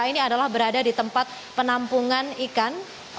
ini adalah berada di tempat penampungan ikan